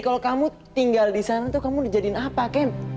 kalo kamu tinggal disana tuh kamu udah jadiin apa ken